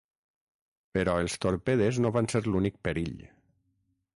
Però els torpedes no van ser l'únic perill.